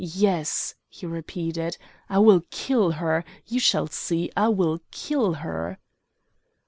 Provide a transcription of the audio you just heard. Yes," he repeated, "I will kill her! You shall see, I will kill her!"